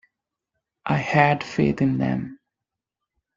I had faith in them.